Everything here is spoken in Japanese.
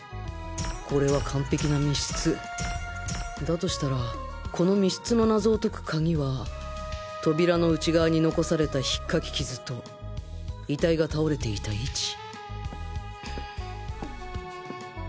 これは完璧な密室だとしたらこの密室の謎を解くカギは扉の内側に残されたひっかき傷と遺体が倒れていた位置